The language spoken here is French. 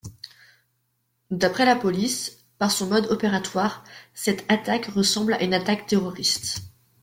D'après la Police, par son mode opératoire, cette attaque ressemble à une attaque terroriste.